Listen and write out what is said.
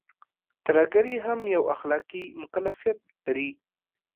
ترهګري هم يو اخلاقي مکلفيت لري.